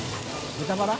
豚バラ？